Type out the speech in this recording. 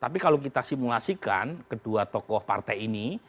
tapi kalau kita simulasikan kedua tokoh partai ini